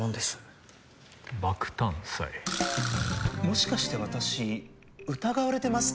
もしかして私疑われてますか？